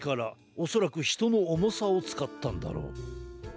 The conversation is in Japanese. おそらくひとのおもさをつかったんだろう。